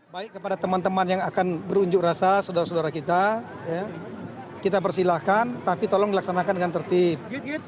baik kepada teman teman yang akan berunjuk rasa saudara saudara kita kita persilahkan tapi tolong dilaksanakan dengan tertib